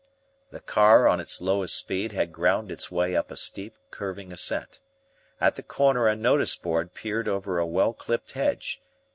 The car on its lowest speed had ground its way up a steep, curving ascent. At the corner a notice board peered over a well clipped hedge.